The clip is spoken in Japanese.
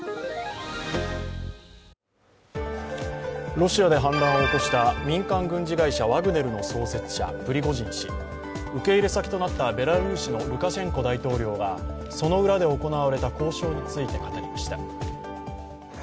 ロシアで反乱を起こした民間軍事会社・ワグネルの創設者、プリゴジン氏、受け入れ先となったベラルーシのルカシェンコ大統領がその裏で行われた交渉について語りました。